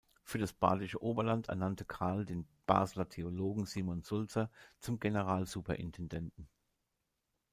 Für das badische Oberland ernannte Karl den Basler Theologen Simon Sulzer zum Generalsuperintendenten.